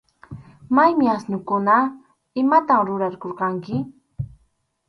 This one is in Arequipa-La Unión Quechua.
¿Maymi asnukuna? ¿Imatam rurarqurqanki?